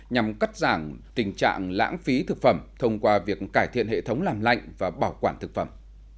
nhằm cắt giảm tình trạng lãng phí thực phẩm thông qua việc cải thiện hệ thống làm lạnh và bảo quản thực phẩm